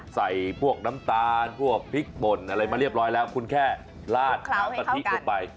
ใส่พวกน้ำตาลพวกพริกป่นอะไรมาเรียบร้อยแล้วคุณแค่ลาดน้ำกะทิเข้าไป